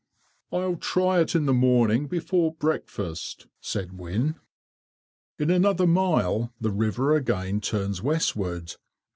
"I'll try it in the morning before breakfast," said Wynne. In another mile the river again turns westward.